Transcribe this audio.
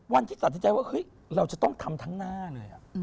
วันที่ตัดสินใจว่าเฮ้ยเราจะต้องทำทั้งหน้าเลย